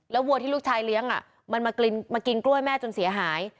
วัวที่ลูกชายเลี้ยงมันมากินกล้วยแม่จนเสียหาย